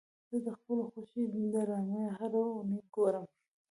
زه د خپلو خوښې ډرامې هره اونۍ ګورم.